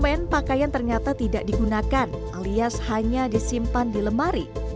permen pakaian ternyata tidak digunakan alias hanya disimpan di lemari